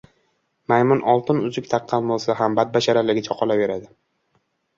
• Maymun oltin uzuk taqqan bo‘lsa ham badbasharaligicha qolaveradi.